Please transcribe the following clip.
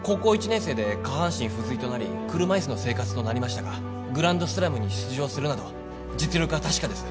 １年生で下半身不随となり車いすの生活となりましたがグランドスラムに出場するなど実力は確かです